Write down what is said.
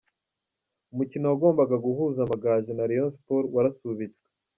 Umukino wagombaga guhuza Amagaju na Rayon Sports warasubitswe.